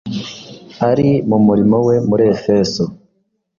Ari mu murimo we muri Efeso,